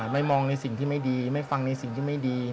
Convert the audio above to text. ไม่มองในสิ่งที่ไม่ดีไม่ฟังในสิ่งที่ไม่ดี